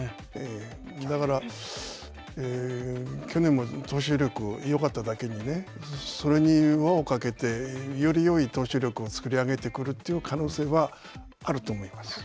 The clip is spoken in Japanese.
だから、去年も投手力よかっただけにねそれに輪をかけて、よりよい投手力を作り上げてくるという可能性はあると思います。